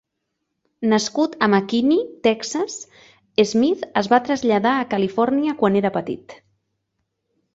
Nascut a McKinney (Texas), Smith es va traslladar a Califòrnia quan era petit.